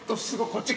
こっち